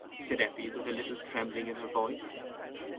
said Eppie, with a little trembling in her voice.